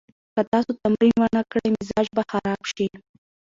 که تاسو تمرین ونه کړئ، مزاج به خراب شي.